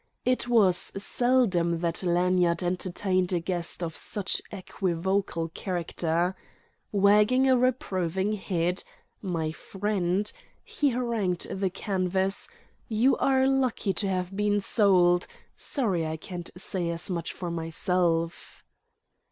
It was seldom that Lanyard entertained a guest of such equivocal character. Wagging a reproving head—"My friend," he harangued the canvas, "you are lucky to have been sold. Sorry I can't say as much for myself."